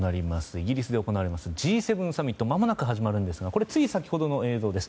イギリスで行われますＧ７サミットまもなく始まるんですがこれ、つい先ほどの映像です。